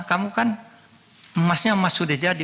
kamu kan emasnya emas sudah jadi